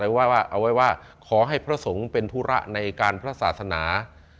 ว่าเอาไว้ว่าขอให้พระสงฆ์เป็นธุระในการพระศาสนา